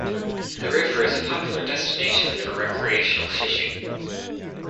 The river is a popular destination for recreational fishing.